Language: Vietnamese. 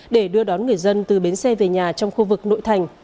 để đưa đón người dân từ bến xe về nhà trong khu vực nội thành